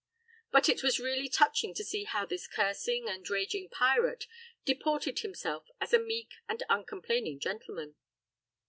It was really touching to see how this cursing and raging pirate deported himself as a meek and uncomplaining gentleman.